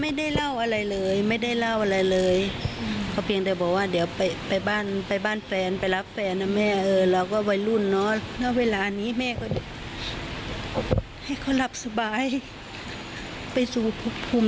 ทำงานแบบนี้อยากจะพูดอะไรถึงพวกเขาบ้าง